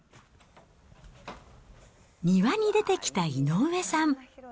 庭に出てきた井上さん。